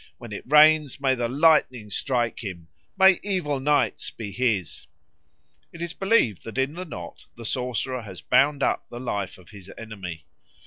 When it rains, may the lightning strike him! May evil nights be his!" It is believed that in the knot the sorcerer has bound up the life of his enemy.